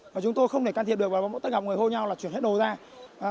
và chúng tôi không thể can thiệp được vào mỗi tất cả mọi người hô nhau là chuyển hết đồ ra